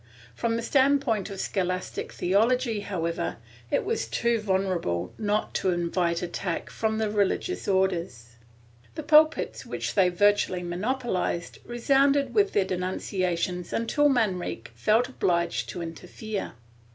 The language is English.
From the standpoint of scholastic theology, however, it was too vulnerable not to invite attack from the religious Orders. The pulpits, which they virtually monopolized, resounded with their denunciations until Manrique felt obliged to interfere.